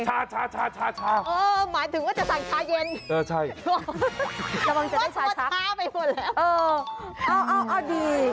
ขาปูชิโด